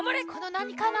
なにかな？